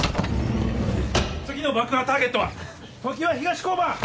次の爆破ターゲットはときわ東交番！